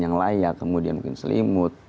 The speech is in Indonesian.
yang layak kemudian mungkin selimut